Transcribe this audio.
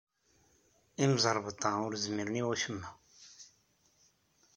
Imẓerbeḍḍa ur zmiren i wacemma.